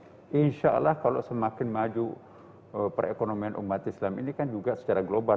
jadi insya allah kalau semakin maju perekonomian umat islam ini kan juga secara global